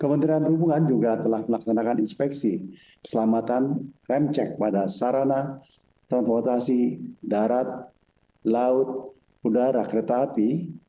kementerian perhubungan juga telah melaksanakan inspeksi keselamatan rem cek pada sarana transportasi darat laut udara kereta api